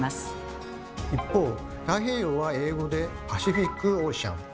一方太平洋は英語で「パシフィック・オーシャン」。